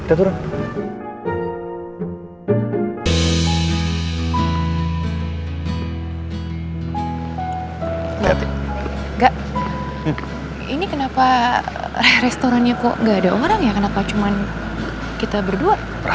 enggak ini kenapa restorannya kok enggak ada orang ya kenapa cuman kita berdua